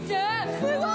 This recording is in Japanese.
すごい！